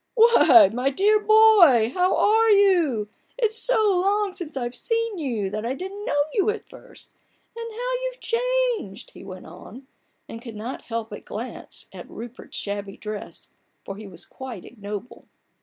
"Why, my dear boy, how are you ! it's so long since I've seen you, that I didn't know you at first. And, how you've changed !" he went on, and could not help a glance at Rupert's shabby dress ; for he was quite ignoble.